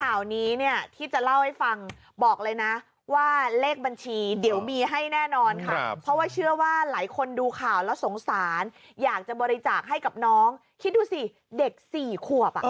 ข่าวนี้เนี่ยที่จะเล่าให้ฟังบอกเลยนะว่าเลขบัญชีเดี๋ยวมีให้แน่นอนค่ะเพราะว่าเชื่อว่าหลายคนดูข่าวแล้วสงสารอยากจะบริจาคให้กับน้องคิดดูสิเด็กสี่ขวบอ่ะ